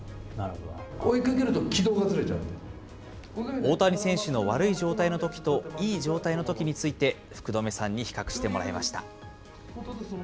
大谷選手の悪い状態のときと、いい状態のときについて、福留さんに比較してもらいました。